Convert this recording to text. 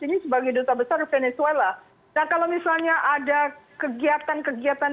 ini sebagai duta besar venezuela nah kalau misalnya ada kegiatan kegiatan